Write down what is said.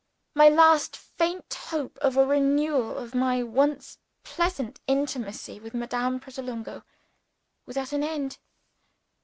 My last faint hope of a renewal of my once pleasant intimacy with Madame Pratolungo was at an end.